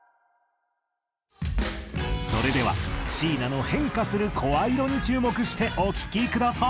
それでは椎名の変化する声色に注目してお聴きください。